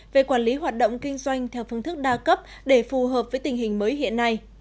về quản lý hoạt động kinh doanh theo phương thức đa cấp để phù hợp với tình hình mới hiện nay